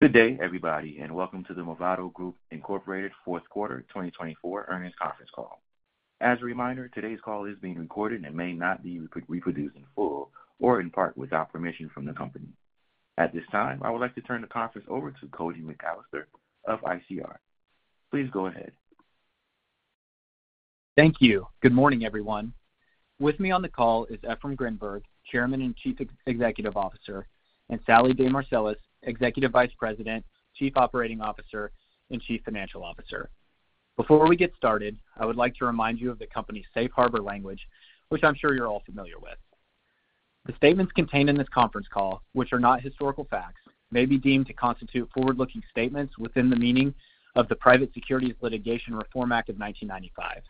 Good day, everybody, and welcome to the Movado Group Incorporated fourth quarter 2024 earnings conference call. As a reminder, today's call is being recorded and may not be reproduced in full or in part without permission from the company. At this time, I would like to turn the conference over to Cody McAllister of ICR. Please go ahead. Thank you. Good morning, everyone. With me on the call is Efraim Grinberg, Chairman and Chief Executive Officer, and Sallie DeMarsilis, Executive Vice President, Chief Operating Officer, and Chief Financial Officer. Before we get started, I would like to remind you of the company's safe harbor language, which I'm sure you're all familiar with. The statements contained in this conference call, which are not historical facts, may be deemed to constitute forward-looking statements within the meaning of the Private Securities Litigation Reform Act of 1995.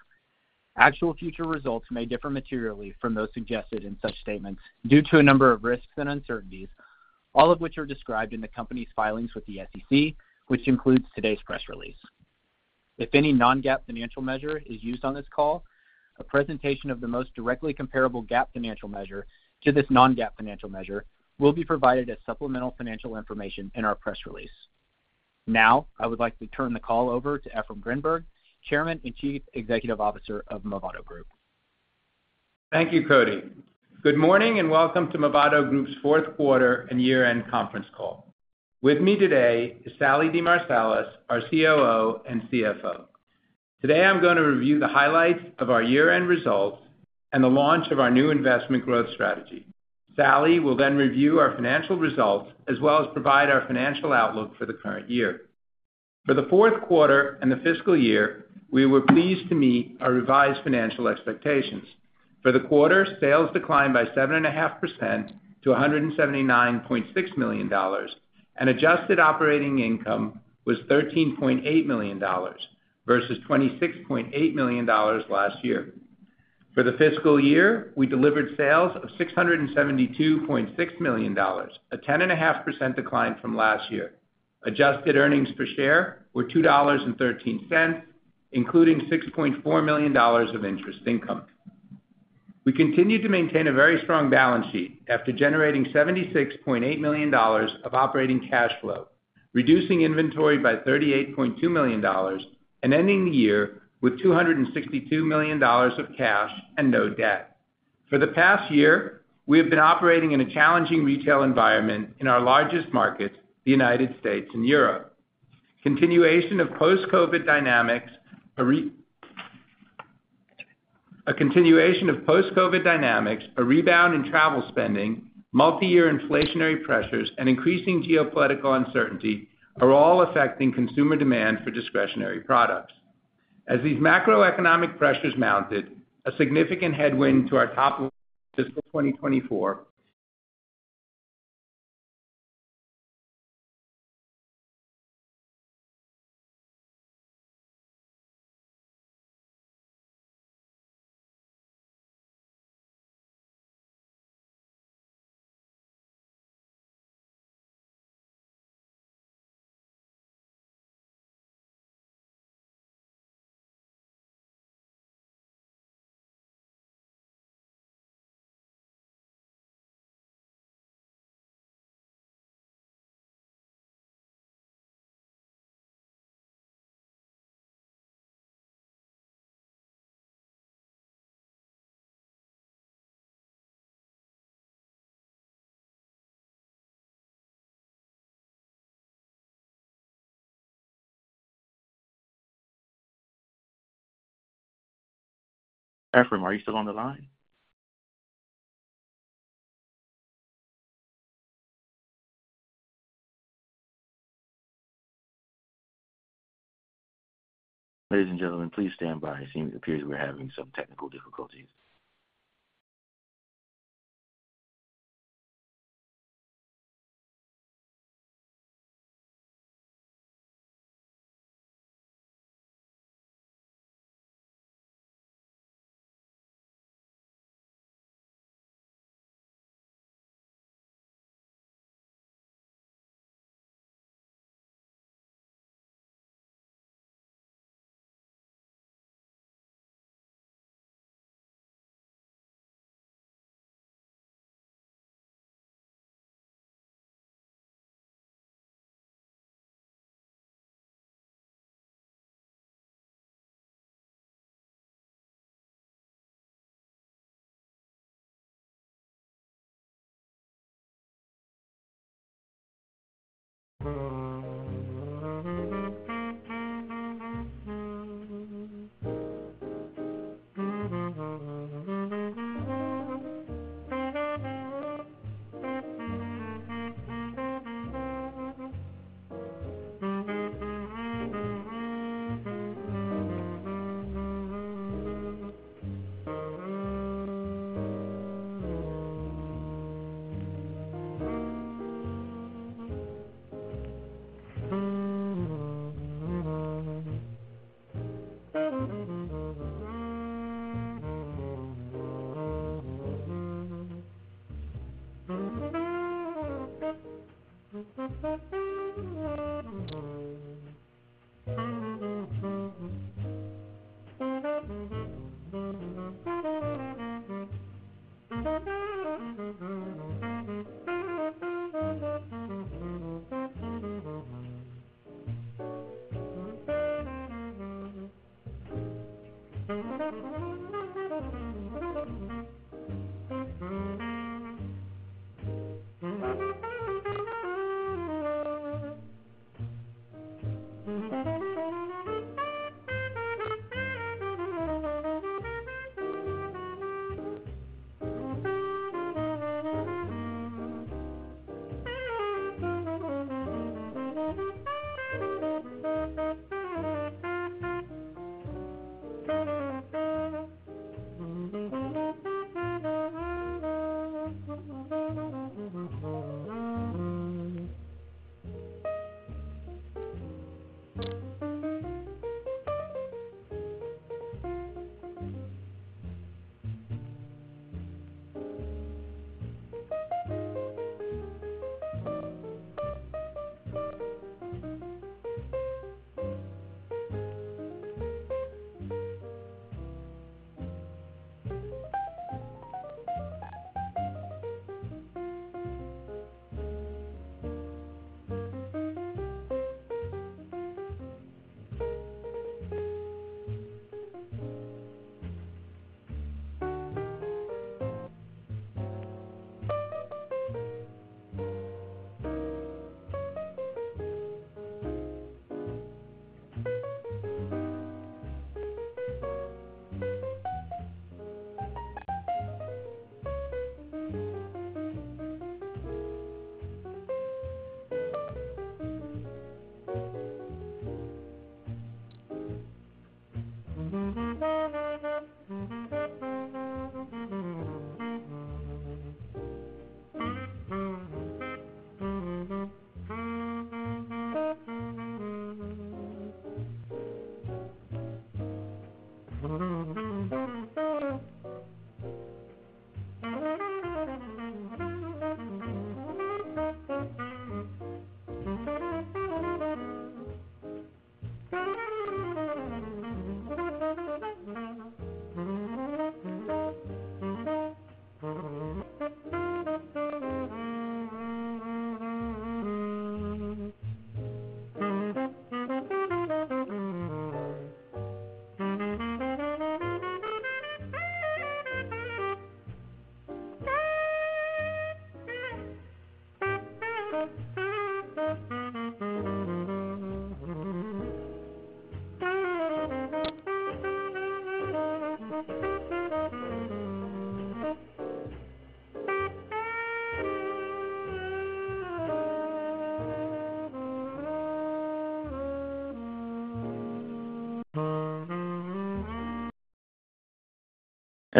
Actual future results may differ materially from those suggested in such statements due to a number of risks and uncertainties, all of which are described in the company's filings with the SEC, which includes today's press release. If any non-GAAP financial measure is used on this call, a presentation of the most directly comparable GAAP financial measure to this non-GAAP financial measure will be provided as supplemental financial information in our press release. Now I would like to turn the call over to Efraim Grinberg, Chairman and Chief Executive Officer of Movado Group. Thank you, Cody. Good morning and welcome to Movado Group's fourth quarter and year-end conference call. With me today is Sallie DeMarsilis, our COO and CFO. Today I'm going to review the highlights of our year-end results and the launch of our new investment growth strategy. Sallie will then review our financial results as well as provide our financial outlook for the current year. For the fourth quarter and the fiscal year, we were pleased to meet our revised financial expectations. For the quarter, sales declined by 7.5% to $179.6 million, and adjusted operating income was $13.8 million versus $26.8 million last year. For the fiscal year, we delivered sales of $672.6 million, a 10.5% decline from last year. Adjusted earnings per share were $2.13, including $6.4 million of interest income. We continued to maintain a very strong balance sheet after generating $76.8 million of operating cash flow, reducing inventory by $38.2 million, and ending the year with $262 million of cash and no debt. For the past year, we have been operating in a challenging retail environment in our largest markets, the United States and Europe. Continuation of post-COVID dynamics, a continuation of post-COVID dynamics, a rebound in travel spending, multi-year inflationary pressures, and increasing geopolitical uncertainty are all affecting consumer demand for discretionary products. As these macroeconomic pressures mounted, a significant headwind to our top fiscal 2024. Efraim, are you still on the line? Ladies and gentlemen, please stand by. It seems we're having some technical difficulties.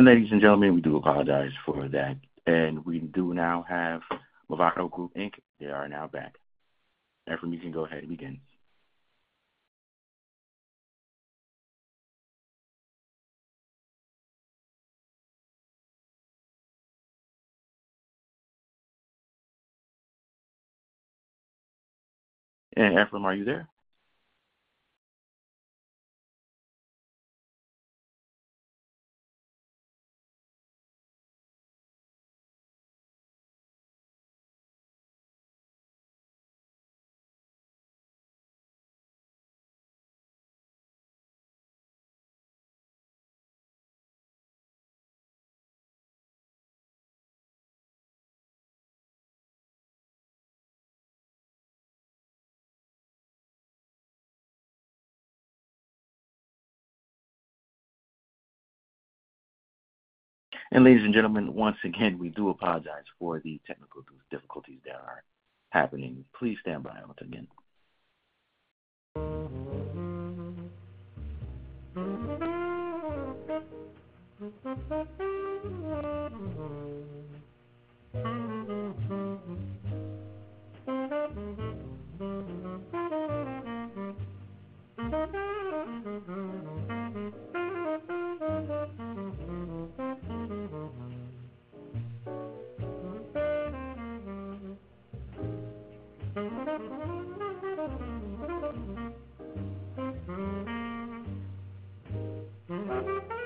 Ladies and gentlemen, we do apologize for that. We do now have Movado Group, Inc. They are now back. Efraim, you can go ahead and begin. Efraim, are you there? Ladies and gentlemen, once again, we do apologize for the technical difficulties that are happening. Please stand by once again. Ladies and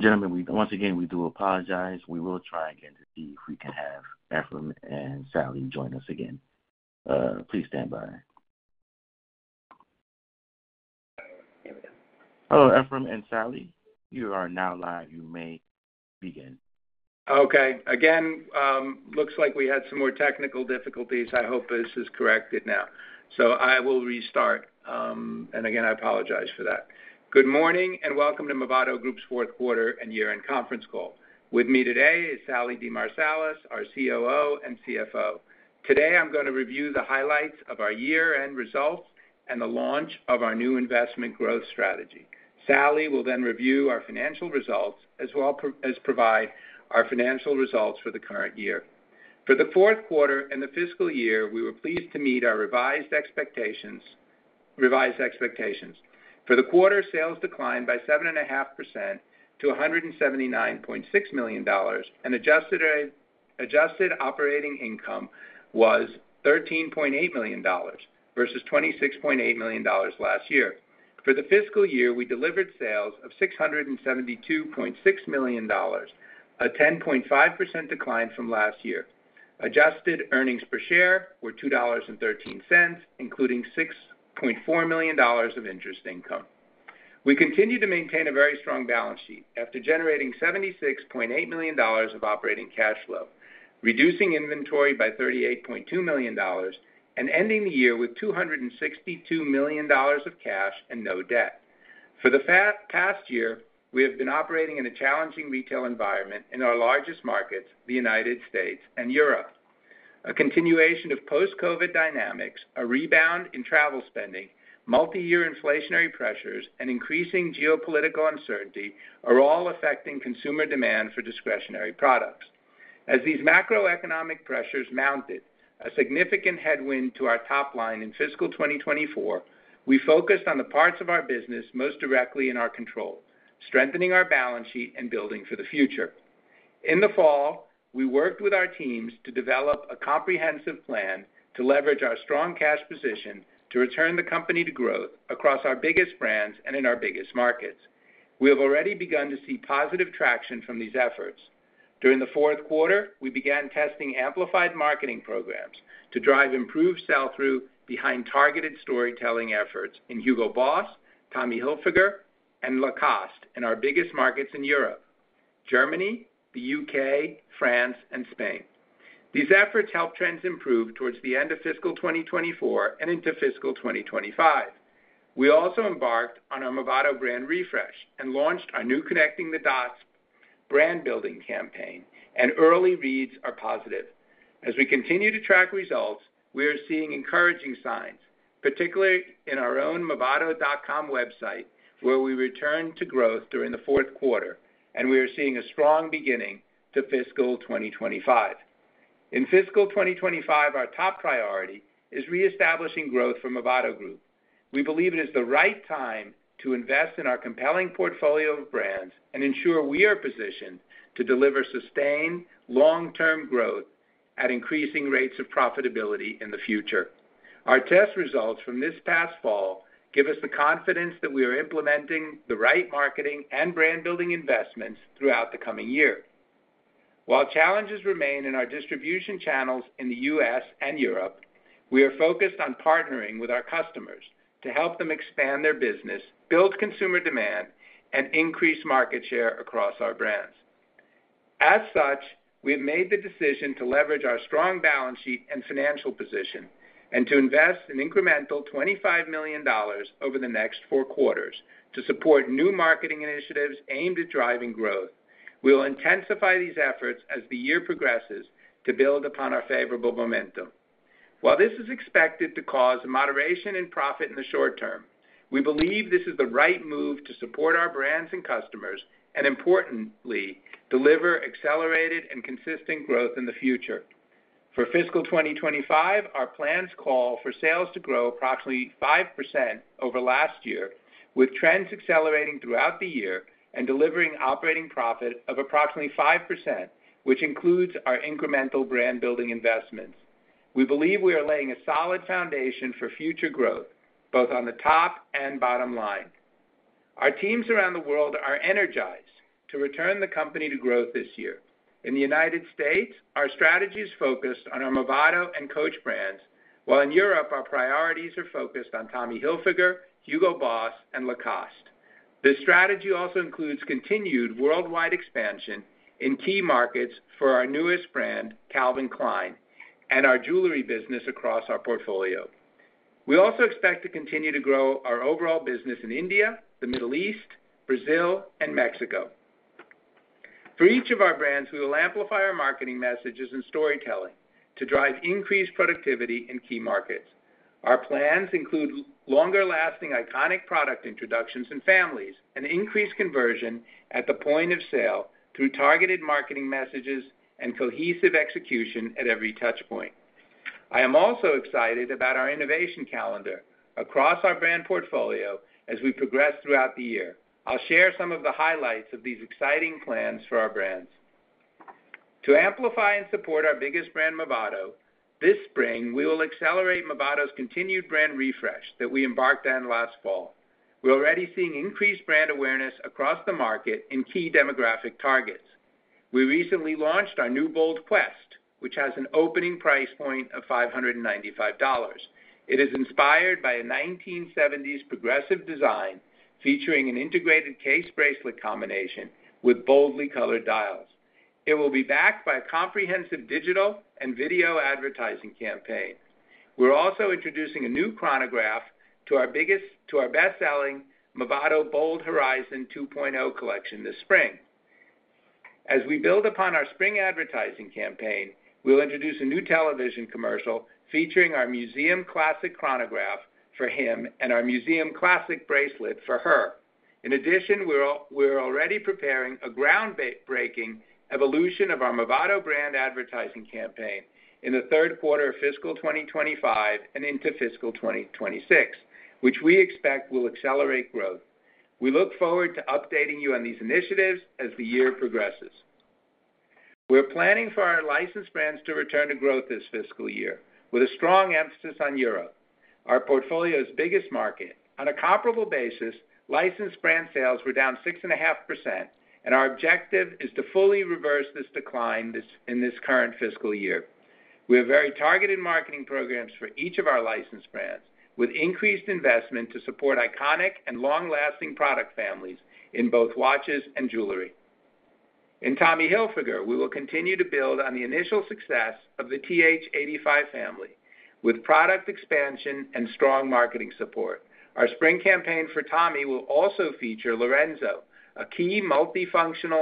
gentlemen, we once again do apologize. We will try again to see if we can have Efraim and Sallie join us again. Please stand by. Here we go. Hello, Efraim and Sallie. You are now live. You may begin. Okay. Again, looks like we had some more technical difficulties. I hope this is corrected now. So I will restart. Again, I apologize for that. Good morning and welcome to Movado Group's fourth quarter and year-end conference call. With me today is Sallie DeMarsilis, our COO and CFO. Today I'm going to review the highlights of our year-end results and the launch of our new investment growth strategy. Sallie will then review our financial results as well as provide our financial results for the current year. For the fourth quarter and the fiscal year, we were pleased to meet our revised expectations. Revised expectations. For the quarter, sales declined by 7.5% to $179.6 million, and adjusted operating income was $13.8 million versus $26.8 million last year. For the fiscal year, we delivered sales of $672.6 million, a 10.5% decline from last year. Adjusted earnings per share were $2.13, including $6.4 million of interest income. We continue to maintain a very strong balance sheet after generating $76.8 million of operating cash flow, reducing inventory by $38.2 million, and ending the year with $262 million of cash and no debt. For the past year, we have been operating in a challenging retail environment in our largest markets, the United States and Europe. A continuation of post-COVID dynamics, a rebound in travel spending, multi-year inflationary pressures, and increasing geopolitical uncertainty are all affecting consumer demand for discretionary products. As these macroeconomic pressures mounted, a significant headwind to our top line in fiscal 2024, we focused on the parts of our business most directly in our control, strengthening our balance sheet and building for the future. In the fall, we worked with our teams to develop a comprehensive plan to leverage our strong cash position to return the company to growth across our biggest brands and in our biggest markets. We have already begun to see positive traction from these efforts. During the fourth quarter, we began testing amplified marketing programs to drive improved sell-through behind targeted storytelling efforts in Hugo Boss, Tommy Hilfiger, and Lacoste in our biggest markets in Europe: Germany, the UK, France, and Spain. These efforts helped trends improve towards the end of fiscal 2024 and into fiscal 2025. We also embarked on our Movado brand refresh and launched our new Connecting the Dots brand-building campaign, and early reads are positive. As we continue to track results, we are seeing encouraging signs, particularly in our own Movado.com website where we returned to growth during the fourth quarter, and we are seeing a strong beginning to fiscal 2025. In fiscal 2025, our top priority is reestablishing growth for Movado Group. We believe it is the right time to invest in our compelling portfolio of brands and ensure we are positioned to deliver sustained, long-term growth at increasing rates of profitability in the future. Our test results from this past fall give us the confidence that we are implementing the right marketing and brand-building investments throughout the coming year. While challenges remain in our distribution channels in the U.S. and Europe, we are focused on partnering with our customers to help them expand their business, build consumer demand, and increase market share across our brands. As such, we have made the decision to leverage our strong balance sheet and financial position and to invest an incremental $25 million over the next four quarters to support new marketing initiatives aimed at driving growth. We will intensify these efforts as the year progresses to build upon our favorable momentum. While this is expected to cause a moderation in profit in the short term, we believe this is the right move to support our brands and customers and, importantly, deliver accelerated and consistent growth in the future. For fiscal 2025, our plans call for sales to grow approximately 5% over last year, with trends accelerating throughout the year and delivering operating profit of approximately 5%, which includes our incremental brand-building investments. We believe we are laying a solid foundation for future growth, both on the top and bottom line. Our teams around the world are energized to return the company to growth this year. In the United States, our strategy is focused on our Movado and Coach brands, while in Europe, our priorities are focused on Tommy Hilfiger, Hugo Boss, and Lacoste. This strategy also includes continued worldwide expansion in key markets for our newest brand, Calvin Klein, and our jewelry business across our portfolio. We also expect to continue to grow our overall business in India, the Middle East, Brazil, and Mexico. For each of our brands, we will amplify our marketing messages and storytelling to drive increased productivity in key markets. Our plans include longer-lasting iconic product introductions in families and increased conversion at the point of sale through targeted marketing messages and cohesive execution at every touchpoint. I am also excited about our innovation calendar across our brand portfolio as we progress throughout the year. I'll share some of the highlights of these exciting plans for our brands. To amplify and support our biggest brand, Movado, this spring, we will accelerate Movado's continued brand refresh that we embarked on last fall. We're already seeing increased brand awareness across the market in key demographic targets. We recently launched our new Bold Quest, which has an opening price point of $595. It is inspired by a 1970s progressive design featuring an integrated case-bracelet combination with boldly colored dials. It will be backed by a comprehensive digital and video advertising campaign. We're also introducing a new chronograph to our best-selling Movado Bold Horizon 2.0 collection this spring. As we build upon our spring advertising campaign, we'll introduce a new television commercial featuring our Museum Classic chronograph for him and our Museum Classic bracelet for her. In addition, we're already preparing a groundbreaking evolution of our Movado brand advertising campaign in the third quarter of fiscal 2025 and into fiscal 2026, which we expect will accelerate growth. We look forward to updating you on these initiatives as the year progresses. We're planning for our licensed brands to return to growth this fiscal year with a strong emphasis on Europe, our portfolio's biggest market. On a comparable basis, licensed brand sales were down 6.5%, and our objective is to fully reverse this decline in this current fiscal year. We have very targeted marketing programs for each of our licensed brands with increased investment to support iconic and long-lasting product families in both watches and jewelry. In Tommy Hilfiger, we will continue to build on the initial success of the TH85 family with product expansion and strong marketing support. Our spring campaign for Tommy will also feature Lorenzo, a key multifunction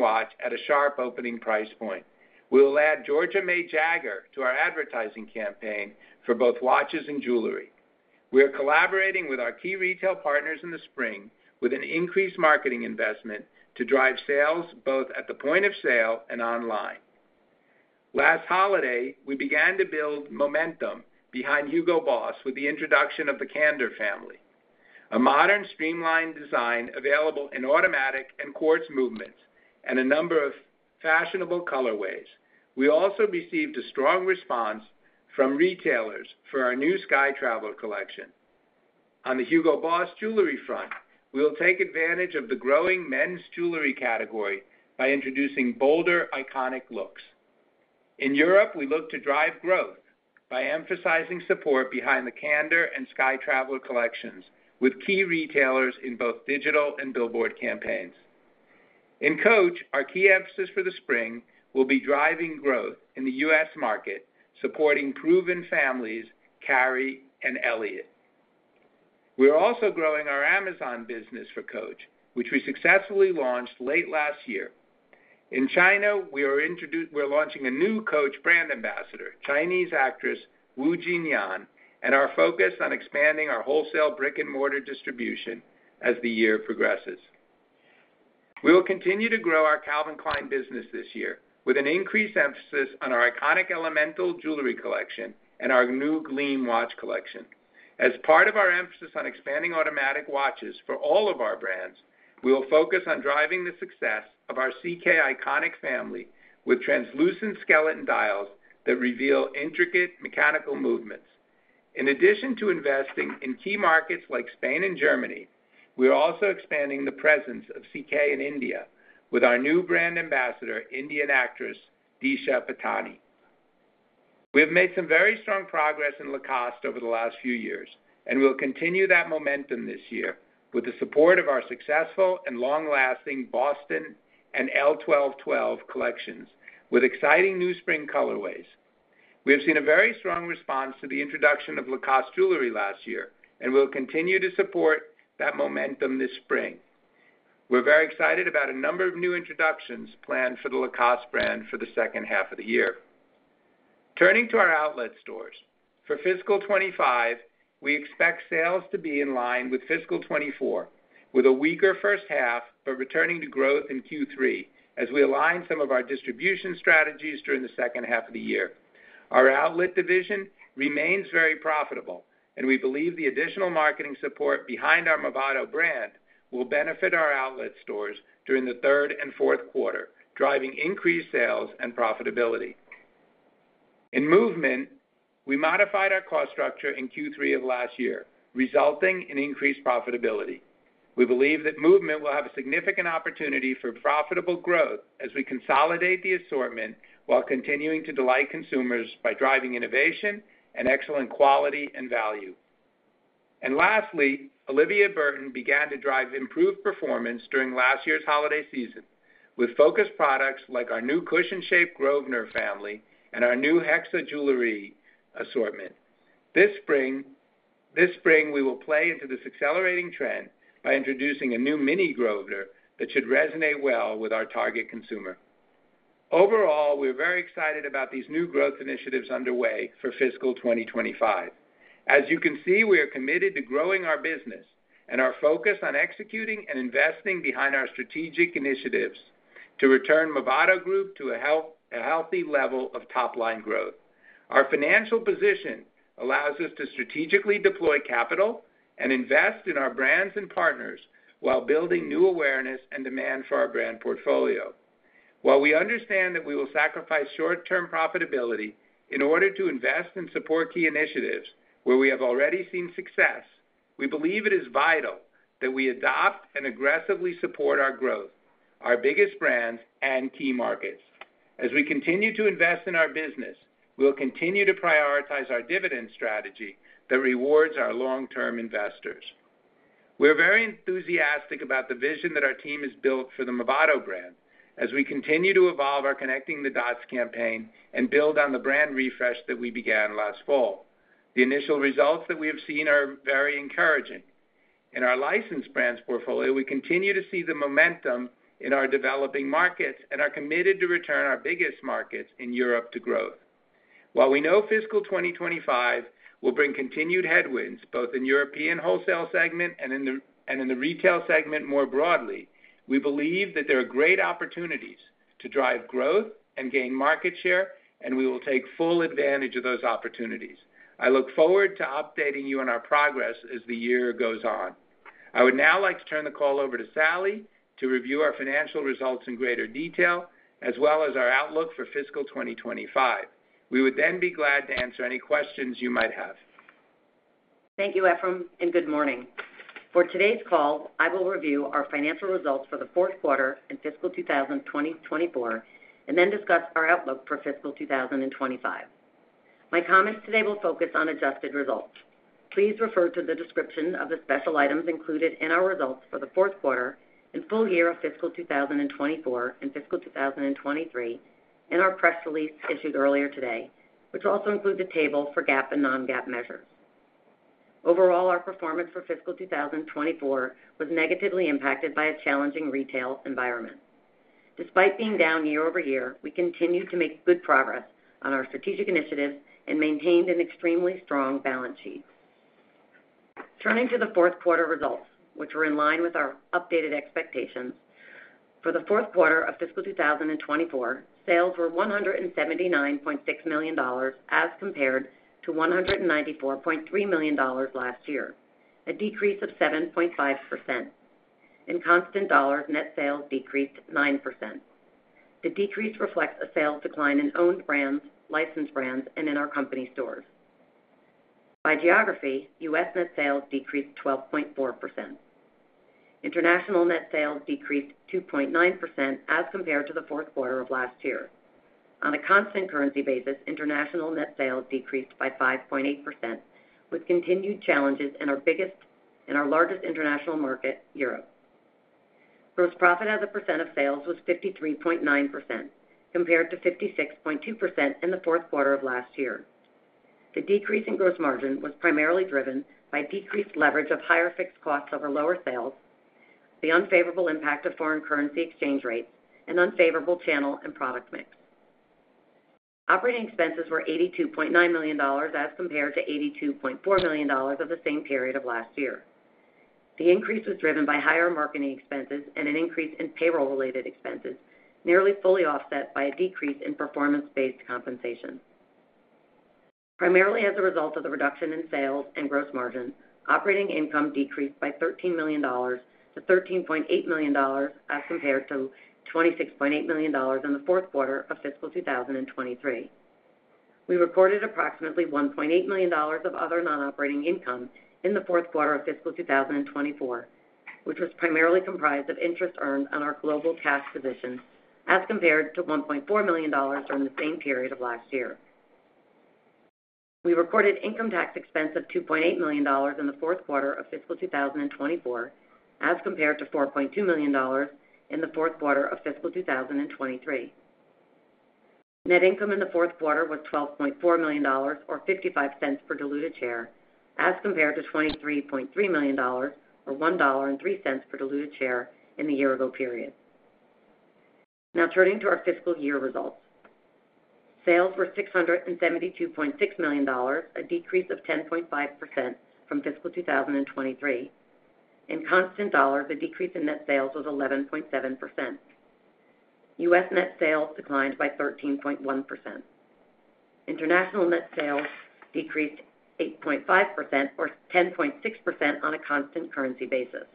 watch at a sharp opening price point. We'll add Georgia May Jagger to our advertising campaign for both watches and jewelry. We are collaborating with our key retail partners in the spring with an increased marketing investment to drive sales both at the point of sale and online. Last holiday, we began to build momentum behind Hugo Boss with the introduction of the Candor family, a modern streamlined design available in automatic and quartz movements and a number of fashionable colorways. We also received a strong response from retailers for our new Skytraveller collection. On the Hugo Boss jewelry front, we'll take advantage of the growing men's jewelry category by introducing bolder, iconic looks. In Europe, we look to drive growth by emphasizing support behind the Candor and Skytraveller collections with key retailers in both digital and billboard campaigns. In Coach, our key emphasis for the spring will be driving growth in the US market, supporting proven families, Cary and Elliot. We are also growing our Amazon business for Coach, which we successfully launched late last year. In China, we are launching a new Coach brand ambassador, Chinese actress Wu Jinyan, and our focus on expanding our wholesale brick-and-mortar distribution as the year progresses. We will continue to grow our Calvin Klein business this year with an increased emphasis on our iconic Elemental jewelry collection and our new Gleam watch collection. As part of our emphasis on expanding automatic watches for all of our brands, we will focus on driving the success of our CK Iconic family with translucent skeleton dials that reveal intricate mechanical movements. In addition to investing in key markets like Spain and Germany, we are also expanding the presence of CK in India with our new brand ambassador, Indian actress Disha Patani. We have made some very strong progress in Lacoste over the last few years, and we'll continue that momentum this year with the support of our successful and long-lasting Boston and L.12.12 collections with exciting new spring colorways. We have seen a very strong response to the introduction of Lacoste jewelry last year, and we'll continue to support that momentum this spring. We're very excited about a number of new introductions planned for the Lacoste brand for the second half of the year. Turning to our outlet stores. For fiscal 2025, we expect sales to be in line with fiscal 2024 with a weaker first half but returning to growth in Q3 as we align some of our distribution strategies during the second half of the year. Our outlet division remains very profitable, and we believe the additional marketing support behind our Movado brand will benefit our outlet stores during the third and fourth quarter, driving increased sales and profitability. In Movement, we modified our cost structure in Q3 of last year, resulting in increased profitability. We believe that Movement will have a significant opportunity for profitable growth as we consolidate the assortment while continuing to delight consumers by driving innovation and excellent quality and value. And lastly, Olivia Burton began to drive improved performance during last year's holiday season with focused products like our new cushion-shaped Grover family and our new Hexa jewelry assortment. This spring, we will play into this accelerating trend by introducing a new Mini Grover that should resonate well with our target consumer. Overall, we are very excited about these new growth initiatives underway for fiscal 2025. As you can see, we are committed to growing our business and our focus on executing and investing behind our strategic initiatives to return Movado Group to a healthy level of top-line growth. Our financial position allows us to strategically deploy capital and invest in our brands and partners while building new awareness and demand for our brand portfolio. While we understand that we will sacrifice short-term profitability in order to invest and support key initiatives where we have already seen success, we believe it is vital that we adopt and aggressively support our growth, our biggest brands, and key markets. As we continue to invest in our business, we'll continue to prioritize our dividend strategy that rewards our long-term investors. We're very enthusiastic about the vision that our team has built for the Movado brand as we continue to evolve our Connecting the Dots campaign and build on the brand refresh that we began last fall. The initial results that we have seen are very encouraging. In our licensed brands portfolio, we continue to see the momentum in our developing markets and are committed to return our biggest markets in Europe to growth. While we know fiscal 2025 will bring continued headwinds both in the European wholesale segment and in the retail segment more broadly, we believe that there are great opportunities to drive growth and gain market share, and we will take full advantage of those opportunities. I look forward to updating you on our progress as the year goes on. I would now like to turn the call over to Sallie to review our financial results in greater detail as well as our outlook for fiscal 2025. We would then be glad to answer any questions you might have. Thank you, Efraim, and good morning. For today's call, I will review our financial results for the fourth quarter and fiscal 2024 and then discuss our outlook for fiscal 2025. My comments today will focus on adjusted results. Please refer to the description of the special items included in our results for the fourth quarter and full-year of fiscal 2024 and fiscal 2023 in our press release issued earlier today, which also includes a table for GAAP and non-GAAP measures. Overall, our performance for fiscal 2024 was negatively impacted by a challenging retail environment. Despite being down year-over-year, we continued to make good progress on our strategic initiatives and maintained an extremely strong balance sheet. Turning to the fourth quarter results, which were in line with our updated expectations. For the fourth quarter of fiscal 2024, sales were $179.6 million as compared to $194.3 million last year, a decrease of 7.5%. In constant dollars, net sales decreased 9%. The decrease reflects a sales decline in owned brands, licensed brands, and in our company stores. By geography, US net sales decreased 12.4%. International net sales decreased 2.9% as compared to the fourth quarter of last year. On a constant currency basis, international net sales decreased by 5.8% with continued challenges in our largest international market, Europe. Gross profit as a percent of sales was 53.9% compared to 56.2% in the fourth quarter of last year. The decrease in gross margin was primarily driven by decreased leverage of higher fixed costs over lower sales, the unfavorable impact of foreign currency exchange rates, and unfavorable channel and product mix. Operating expenses were $82.9 million as compared to $82.4 million of the same period of last year. The increase was driven by higher marketing expenses and an increase in payroll-related expenses nearly fully offset by a decrease in performance-based compensation. Primarily as a result of the reduction in sales and gross margin, operating income decreased by $13 million to $13.8 million as compared to $26.8 million in the fourth quarter of fiscal 2023. We recorded approximately $1.8 million of other non-operating income in the fourth quarter of fiscal 2024, which was primarily comprised of interest earned on our global cash position as compared to $1.4 million during the same period of last year. We recorded income tax expense of $2.8 million in the fourth quarter of fiscal 2024 as compared to $4.2 million in the fourth quarter of fiscal 2023. Net income in the fourth quarter was $12.4 million or $0.55 per diluted share as compared to $23.3 million or $1.03 per diluted share in the year-ago period. Now, turning to our fiscal year results. Sales were $672.6 million, a decrease of 10.5% from fiscal 2023. In constant dollars, a decrease in net sales was 11.7%. US net sales declined by 13.1%. International net sales decreased 8.5% or 10.6% on a constant currency basis.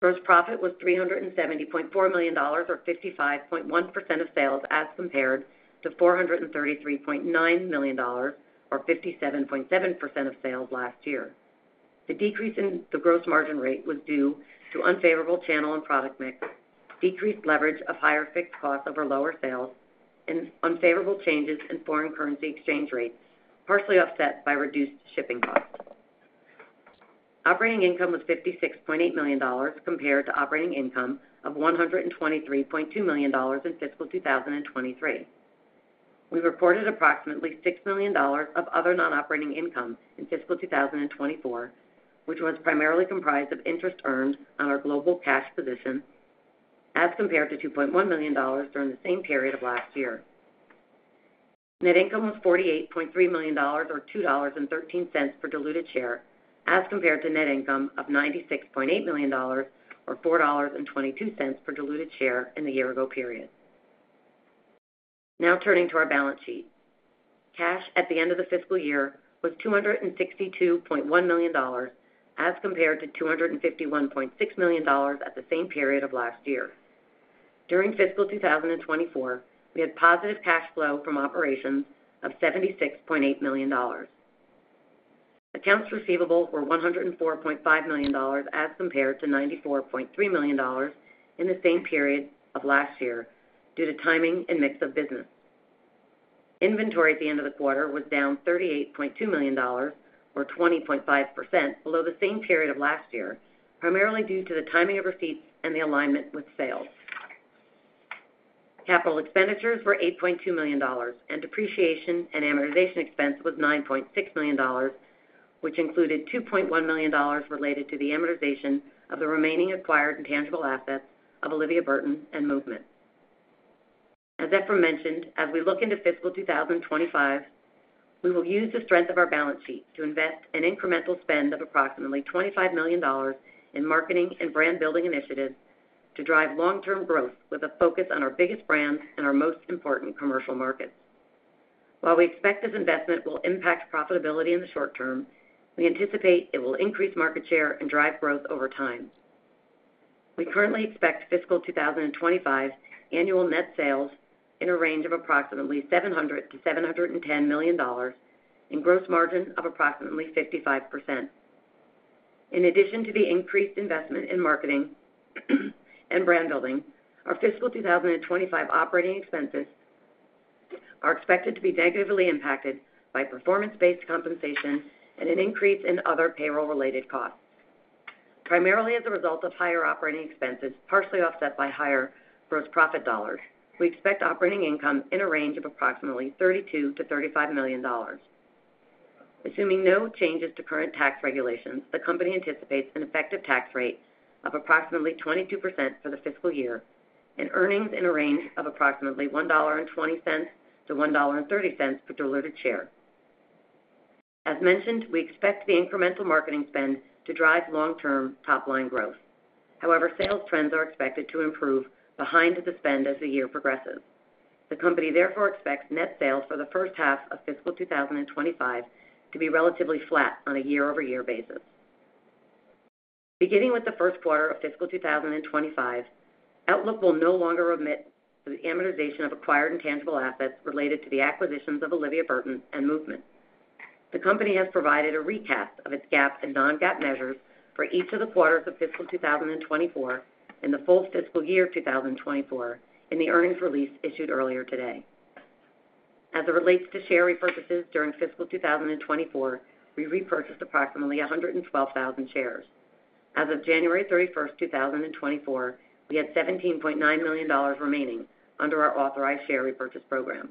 Gross profit was $370.4 million or 55.1% of sales as compared to $433.9 million or 57.7% of sales last year. The decrease in the gross margin rate was due to unfavorable channel and product mix, decreased leverage of higher fixed costs over lower sales, and unfavorable changes in foreign currency exchange rates partially offset by reduced shipping costs. Operating income was $56.8 million compared to operating income of $123.2 million in fiscal 2023. We reported approximately $6 million of other non-operating income in fiscal 2024, which was primarily comprised of interest earned on our global cash position as compared to $2.1 million during the same period of last year. Net income was $48.3 million or $2.13 per diluted share as compared to net income of $96.8 million or $4.22 per diluted share in the year-ago period. Now, turning to our balance sheet. Cash at the end of the fiscal year was $262.1 million as compared to $251.6 million at the same period of last year. During fiscal 2024, we had positive cash flow from operations of $76.8 million. Accounts receivable were $104.5 million as compared to $94.3 million in the same period of last year due to timing and mix of business. Inventory at the end of the quarter was down $38.2 million or 20.5% below the same period of last year, primarily due to the timing of receipts and the alignment with sales. Capital expenditures were $8.2 million, and depreciation and amortization expense was $9.6 million, which included $2.1 million related to the amortization of the remaining acquired intangible assets of Olivia Burton and Movement. As Efraim mentioned, as we look into fiscal 2025, we will use the strength of our balance sheet to invest an incremental spend of approximately $25 million in marketing and brand-building initiatives to drive long-term growth with a focus on our biggest brands and our most important commercial markets. While we expect this investment will impact profitability in the short term, we anticipate it will increase market share and drive growth over time. We currently expect fiscal 2025 annual net sales in a range of approximately $700 million-$710 million and gross margin of approximately 55%. In addition to the increased investment in marketing and brand-building, our fiscal 2025 operating expenses are expected to be negatively impacted by performance-based compensation and an increase in other payroll-related costs, primarily as a result of higher operating expenses partially offset by higher gross profit dollars. We expect operating income in a range of approximately $32 million-$35 million. Assuming no changes to current tax regulations, the company anticipates an effective tax rate of approximately 22% for the fiscal year and earnings in a range of approximately $1.20-$1.30 per diluted share. As mentioned, we expect the incremental marketing spend to drive long-term top-line growth. However, sales trends are expected to improve behind the spend as the year progresses. The company therefore expects net sales for the first half of fiscal 2025 to be relatively flat on a year-over-year basis. Beginning with the first quarter of fiscal 2025, Outlook will no longer omit the amortization of acquired intangible assets related to the acquisitions of Olivia Burton and Movement. The company has provided a recap of its GAAP and non-GAAP measures for each of the quarters of fiscal 2024 and the full fiscal year 2024 in the earnings release issued earlier today. As it relates to share repurchases during fiscal 2024, we repurchased approximately 112,000 shares. As of January 31st, 2024, we had $17.9 million remaining under our authorized share repurchase program.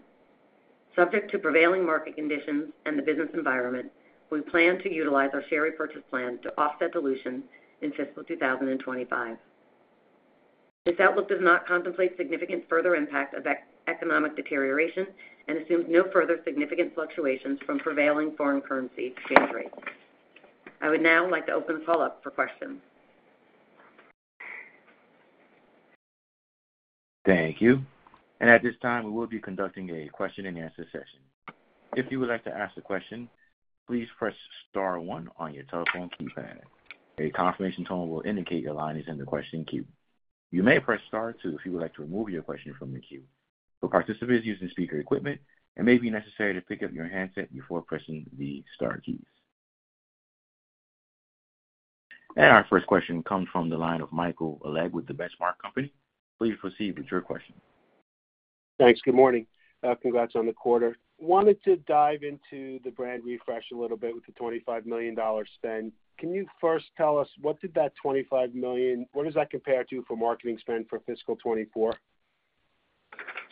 Subject to prevailing market conditions and the business environment, we plan to utilize our share repurchase plan to offset dilution in fiscal 2025. This outlook does not contemplate significant further impact of economic deterioration and assumes no further significant fluctuations from prevailing foreign currency exchange rates. I would now like to open the call up for questions. Thank you. At this time, we will be conducting a question-and-answer session. If you would like to ask a question, please press star one on your telephone keypad. A confirmation tone will indicate your line is in the question queue. You may press star two if you would like to remove your question from the queue. For participants using speaker equipment, it may be necessary to pick up your handset before pressing the star keys. Our first question comes from the line of Michael Legg with the Benchmark Company. Please proceed with your question. Thanks. Good morning. Congrats on the quarter. Wanted to dive into the brand refresh a little bit with the $25 million spend. Can you first tell us what did that $25 million what does that compare to for marketing spend for fiscal 2024?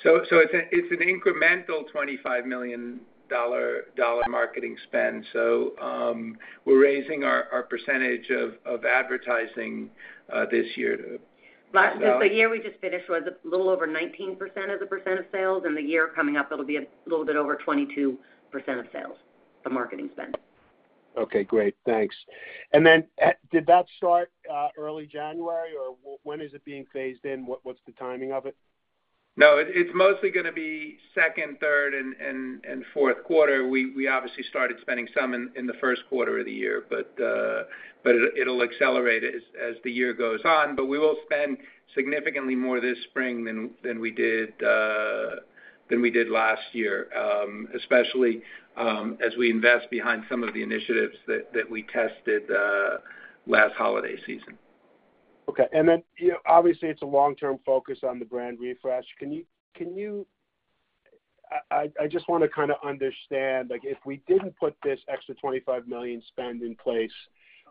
It's an incremental $25 million marketing spend. We're raising our percentage of advertising this year. Just the year we just finished was a little over 19% as a percent of sales. In the year coming up, it'll be a little bit over 22% of sales, the marketing spend. Okay. Great. Thanks. Then did that start early January, or when is it being phased in? What's the timing of it? No, it's mostly going to be second, third, and fourth quarter. We obviously started spending some in the first quarter of the year, but it'll accelerate as the year goes on. But we will spend significantly more this spring than we did last year, especially as we invest behind some of the initiatives that we tested last holiday season. Okay. And then obviously, it's a long-term focus on the brand refresh. I just want to kind of understand, if we didn't put this extra $25 million spend in place,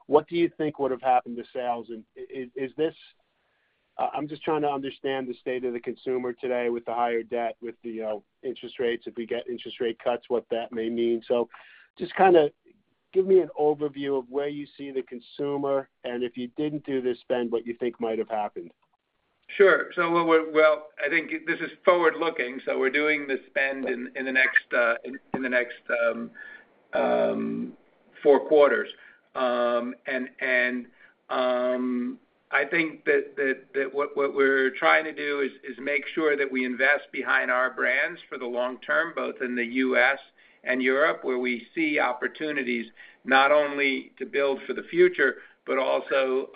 what do you think would have happened to sales? I'm just trying to understand the state of the consumer today with the higher debt, with the interest rates. If we get interest rate cuts, what that may mean. So just kind of give me an overview of where you see the consumer and if you didn't do this spend, what you think might have happened. Sure. Well, I think this is forward-looking. So we're doing the spend in the next four quarters. And I think that what we're trying to do is make sure that we invest behind our brands for the long term, both in the U.S. and Europe, where we see opportunities not only to build for the future but also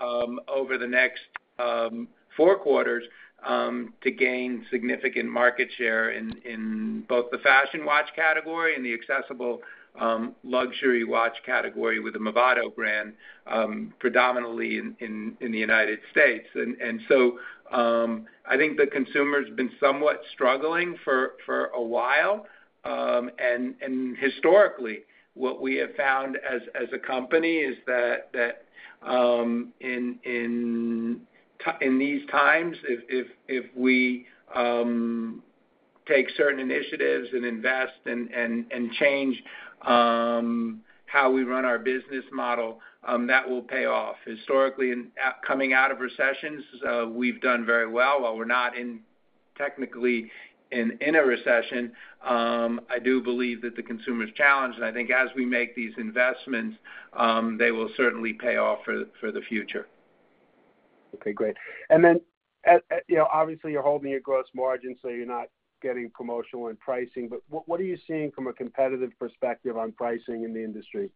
over the next four quarters to gain significant market share in both the fashion watch category and the accessible luxury watch category with the Movado brand, predominantly in the United States. And so I think the consumer's been somewhat struggling for a while. And historically, what we have found as a company is that in these times, if we take certain initiatives and invest and change how we run our business model, that will pay off. Historically, coming out of recessions, we've done very well. While we're not technically in a recession, I do believe that the consumer is challenged. I think as we make these investments, they will certainly pay off for the future. Okay. Great. And then obviously, you're holding your gross margin, so you're not getting promotional in pricing. But what are you seeing from a competitive perspective on pricing in the industry?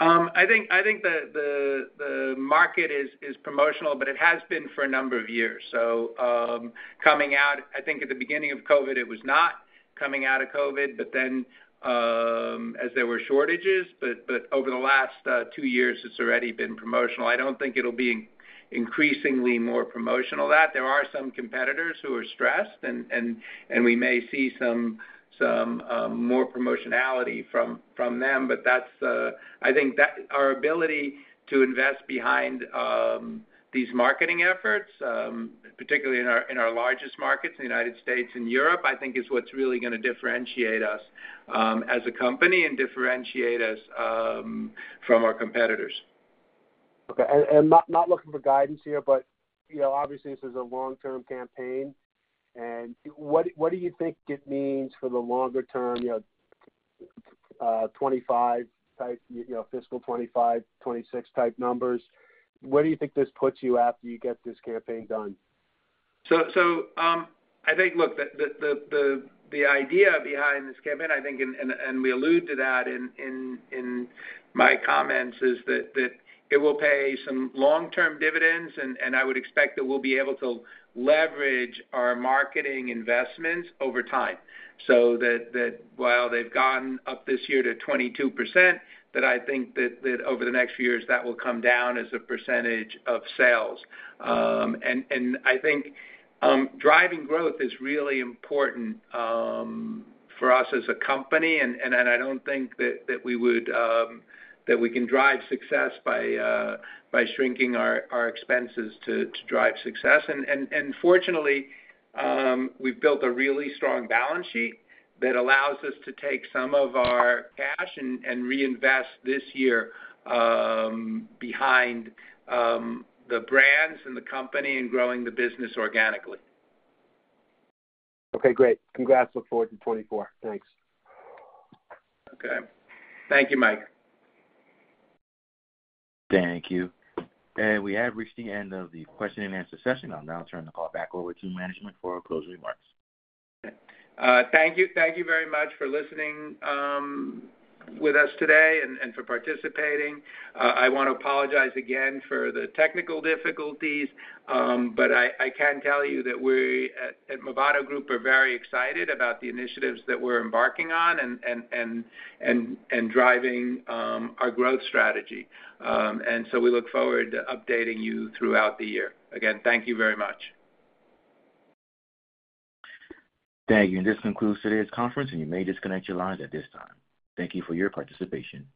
I think the market is promotional, but it has been for a number of years. So coming out, I think at the beginning of COVID, it was not coming out of COVID, but then as there were shortages. But over the last two years, it's already been promotional. I don't think it'll be increasingly more promotional that. There are some competitors who are stressed, and we may see some more promotionality from them. But I think our ability to invest behind these marketing efforts, particularly in our largest markets, the United States and Europe, I think is what's really going to differentiate us as a company and differentiate us from our competitors. Okay. And not looking for guidance here, but obviously, this is a long-term campaign. And what do you think it means for the longer-term fiscal 2025, 2026 type numbers? Where do you think this puts you after you get this campaign done? So I think, look, the idea behind this campaign, I think, and we alluded to that in my comments, is that it will pay some long-term dividends. And I would expect that we'll be able to leverage our marketing investments over time. So that while they've gone up this year to 22%, that I think that over the next few years, that will come down as a percentage of sales. And I think driving growth is really important for us as a company. And I don't think that we can drive success by shrinking our expenses to drive success. And fortunately, we've built a really strong balance sheet that allows us to take some of our cash and reinvest this year behind the brands and the company and growing the business organically. Okay. Great. Congrats. Look forward to 2024. Thanks. Okay. Thank you, Mike. Thank you. We have reached the end of the question-and-answer session. I'll now turn the call back over to management for closing remarks. Thank you very much for listening with us today and for participating. I want to apologize again for the technical difficulties. I can tell you that we at Movado Group are very excited about the initiatives that we're embarking on and driving our growth strategy. We look forward to updating you throughout the year. Again, thank you very much. Thank you. This concludes today's conference, and you may disconnect your lines at this time. Thank you for your participation.